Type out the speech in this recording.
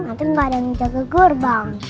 nanti mbak ada yang jaga gurbang